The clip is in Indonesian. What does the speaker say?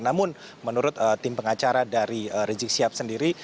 namun menurut tim pengacara dari rizik sihab sendiri